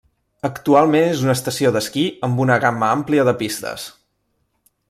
Actualment és una estació d'esquí amb una gamma àmplia de pistes.